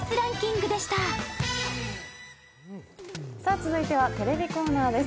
続いてはテレビコーナーです。